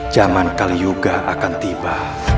zaman kali yoga akan tiba